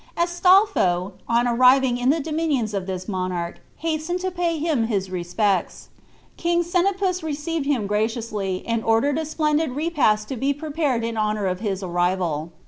Astolpho, on arriving in the dominions of this monarch, hastened to pay him his respects. King Senapus received him graciously, and ordered a splendid repast to be prepared in honor of his arrival.